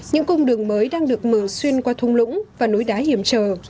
những cung đường mới đang được mở xuyên qua thung lũng và núi đá hiểm trở